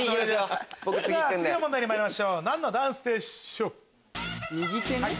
次の問題にまいりましょう何のダンスでしょう？